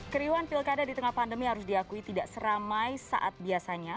keriuhan pilkada di tengah pandemi harus diakui tidak seramai saat biasanya